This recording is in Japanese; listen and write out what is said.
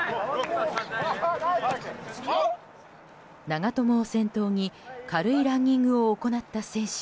長友を先頭に軽いランニングを行った選手。